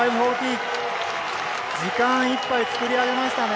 時間いっぱい作り上げましたね。